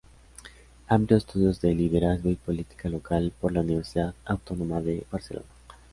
Amplió estudios de Liderazgo y Política Local por la Universidad Autónoma de Barcelona.